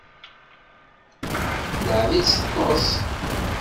Tleɛɛeb-itt teṭṭes.